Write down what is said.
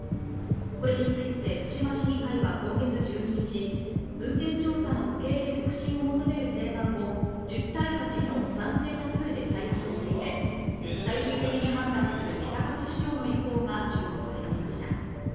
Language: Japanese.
これについて対馬市議会は今月１２日文献調査の受け入れ促進を求める請願を１０対８の賛成多数で採択していて最終的に判断する比田勝市長の意向が注目されていました